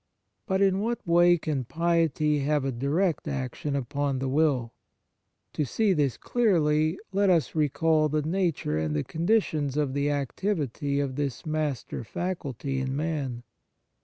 But in what way can piety have a direct action upon the will ? To see this clearly, let us recall the nature and the conditions of the activity of this master faculty in man.